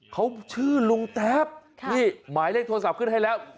เขาชื่อลุงแต๊บนี่หมายเลขโทรศัพท์ขึ้นให้แล้ว